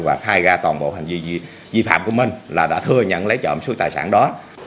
và khai ra toàn bộ hành vi dịp hạm của mình là đã thừa nhận lấy trộm xuất tài sản đó